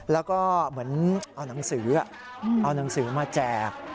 แล้วก็เหมือนเอานังสือมาแจก